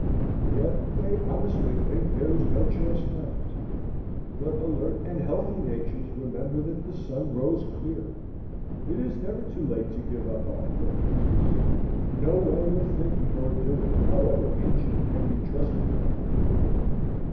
Yet they honestly think there is no choice left. But alert and healthy natures remember that the sun rose clear. It is never too late to give up our prejudices. No way of thinking or doing, however ancient, can be trusted without proof.